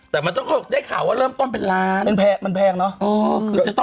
แต่มันต้องได้ข่าวว่าเริ่มต้นเป็นล้านมันแพงเนอะ